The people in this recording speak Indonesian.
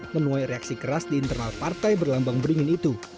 menuai reaksi keras di internal partai berlambang beringin itu